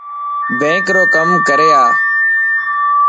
بينڪ رو ڪم ڪري آءِ.